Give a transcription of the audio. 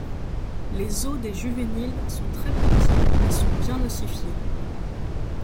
Les os des juvéniles sont très petits mais sont bien ossifiés.